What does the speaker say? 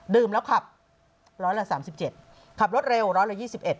ดื่มแล้วขับร้อยละ๓๗ขับรถเร็วร้อยละ๒๑